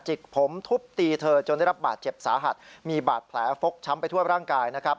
กผมทุบตีเธอจนได้รับบาดเจ็บสาหัสมีบาดแผลฟกช้ำไปทั่วร่างกายนะครับ